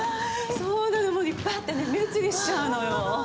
そうなのよいっぱいあってね目移りしちゃうのよ。